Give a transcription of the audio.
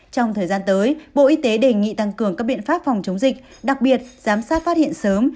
trong thời gian tới bộ y tế đề nghị tăng cường các biện pháp phòng chống dịch đặc biệt giám sát phát hiện sớm